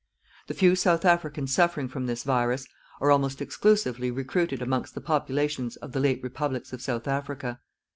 The few South Africans suffering from this virus are almost exclusively recruited amongst the populations of the late Republics of South Africa.